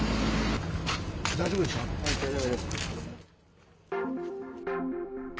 大丈夫ですか？